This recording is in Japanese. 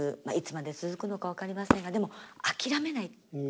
まあいつまで続くのか分かりませんがでも諦めない